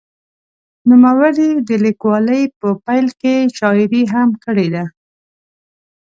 نوموړي د لیکوالۍ په پیل کې شاعري هم کړې ده.